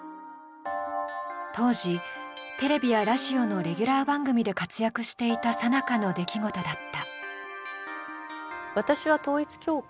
当時、テレビやラジオのレギュラー番組で活躍していたさなかの出来事だった。